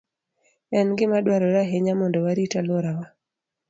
En gima dwarore ahinya mondo warit alworawa.